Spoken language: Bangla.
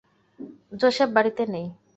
জোসেফ বাড়িতে নেই।